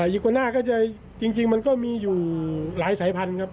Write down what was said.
อิโกน่าก็จะจริงมันก็มีอยู่หลายสายพันธุ์ครับ